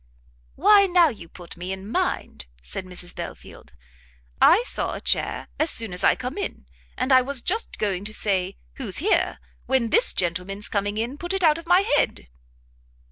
"Why now you put me in mind," said Mrs Belfield, "I saw a chair as soon as I come in; and I was just going to say who's here, when this gentleman's coming put it out of my head."